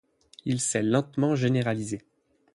Il s'est lentement généralisé.